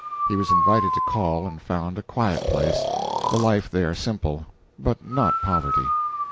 He was invited to call, and found a quiet place the life there simple but not poverty.